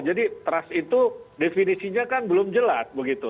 jadi trust itu definisinya kan belum jelas begitu